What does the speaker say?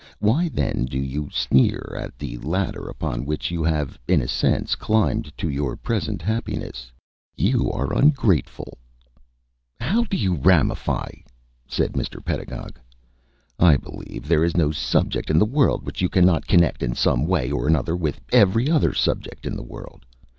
Why, then, do you sneer at the ladder upon which you have in a sense climbed to your present happiness? You are ungrateful." "How you do ramify!" said Mr. Pedagog. "I believe there is no subject in the world which you cannot connect in some way or another with every other subject in the world.